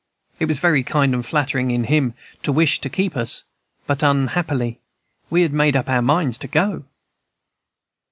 It was very kind and flattering in him to wish to keep us. But unhappily we had made up our minds to go.